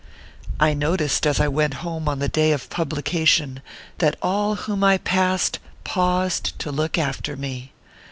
I noticed as I went home on the day of publication, that all whom I passed paused to look after me.